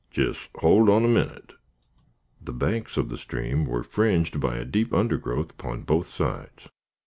Jes' hold on a minute." The banks of the stream were fringed by a deep under growth upon both sides.